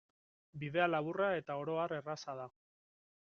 Bidea laburra eta oro har erraza da.